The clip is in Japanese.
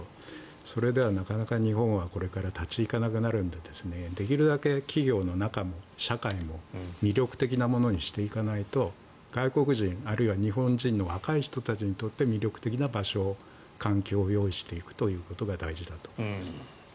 それではなかなか日本はこれから立ち行かなくなるのでできるだけ企業の中も社会も魅力的なものにしていかないと外国人あるいは日本人の若い人にとって魅力的な場所、環境を用意していくということが大事だと思います。